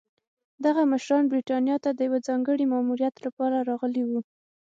دغه مشران برېټانیا ته د یوه ځانګړي ماموریت لپاره راغلي وو.